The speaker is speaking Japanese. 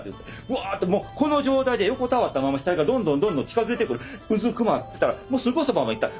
ワーってもうこの状態で横たわったまま死体がどんどん近づいてくるうずくまってたらすごいそばまで来た。